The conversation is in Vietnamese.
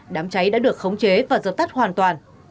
đám cháy đã được khống chế và dập tắt hoàn toàn